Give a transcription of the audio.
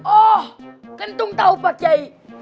oh kentung tahu pak kiai